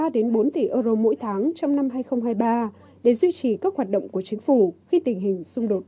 ba bốn tỷ euro mỗi tháng trong năm hai nghìn hai mươi ba để duy trì các hoạt động của chính phủ khi tình hình xung đột